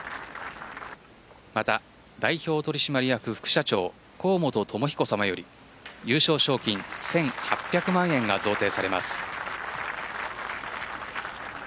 また、代表取締役副社長幸本智彦さまより優勝賞金１８００万円が贈呈されます。